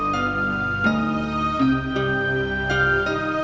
sekali lagi ya